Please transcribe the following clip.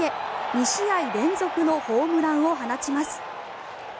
２試合連続のホームランを放ちます。